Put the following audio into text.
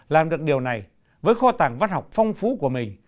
làm được điều này với kho tàng văn học phong phú của mình